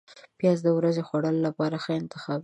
پیاز د ورځې خوړلو لپاره ښه انتخاب دی